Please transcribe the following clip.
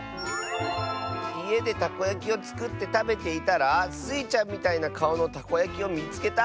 「いえでたこやきをつくってたべていたらスイちゃんみたいなかおのたこやきをみつけた！」。